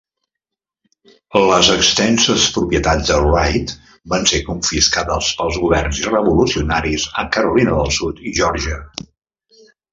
Les extenses propietats de Wright van ser confiscades pels governs revolucionaris a Carolina del Sud i Georgia.